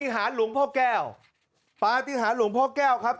ประอธิษฐานหลวงพ่อแก้วประอธิษฐานหลวงพ่อแก้วครับ